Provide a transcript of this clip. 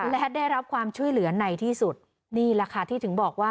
และได้รับความช่วยเหลือในที่สุดนี่แหละค่ะที่ถึงบอกว่า